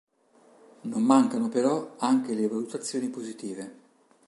Non mancano però anche le valutazioni positive.